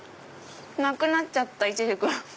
なくなっちゃったイチジク。